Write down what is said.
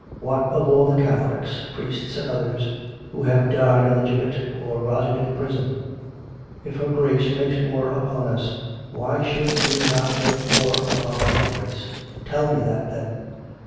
What of all the Catholics — priests and others — who have died on the gibbet, or rotted in prison? If her Grace makes war upon us, why should we not make war upon her Grace? Tell me that, then!